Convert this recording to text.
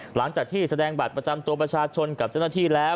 หลังจากที่แสดงบัตรประจำตัวประชาชนกับเจ้าหน้าที่แล้ว